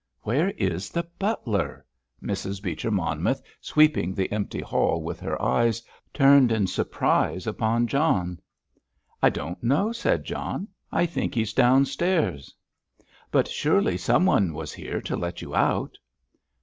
"Where is the butler?" Mrs. Beecher Monmouth, sweeping the empty hall with her eyes, turned in surprise upon John. "I don't know," said John; "I think he's downstairs." "But surely some one was here to let you out?"